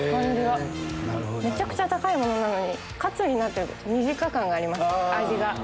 めちゃくちゃ高いものなのにカツになってると身近感がありますね味が。